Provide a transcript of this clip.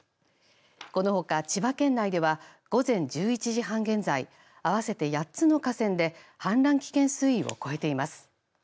このほか千葉県内では午前１１時半現在合わせて８つの河川で氾濫危険水位を超えています。